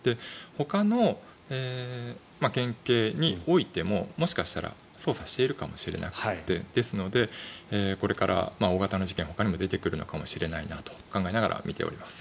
ほかの県警においてももしかしたら捜査しているかもしれなくてですので、これから大型の事件はほかにも出てくるかもしれないなと思いながら見ております。